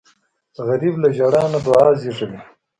غریب له ژړا نه دعا زېږوي